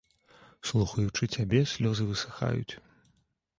Слухаючы цябе, слёзы высыхаюць.